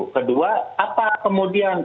kedua apa kemudian